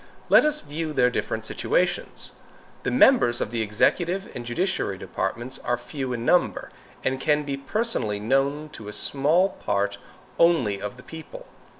Let us view their different situations. The members of the executive and judiciary departments are few in number, and can be personally known to a small part only of the people.